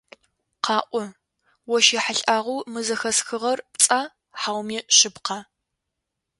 Къаӏо, ощ ехьылӀагъэу мы зэхэсхыгъэр пцӀа хьауми шъыпкъа?